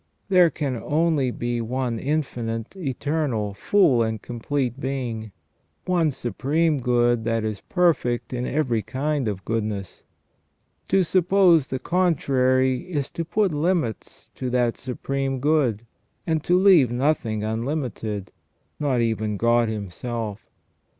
There can only be one infinite, eternal, full and complete Being, one Supreme Good that is perfect in every kind of goodness. To suppose the contrary is to put limits to that Supreme Good, and to leave nothing unlimited, not even God Himself.